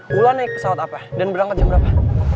pula naik pesawat apa dan berangkat jam berapa